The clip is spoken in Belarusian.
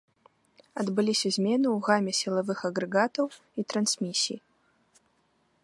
Адбыліся змены ў гаме сілавых агрэгатаў і трансмісій.